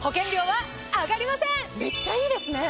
めっちゃいいですね！